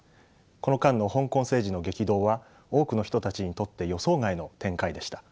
この間の香港政治の激動は多くの人たちにとって予想外の展開でした。